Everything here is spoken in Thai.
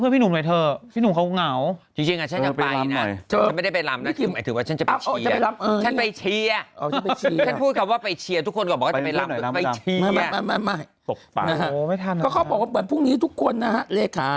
จริงฉันจะไปจะไปลำอีกหน่อย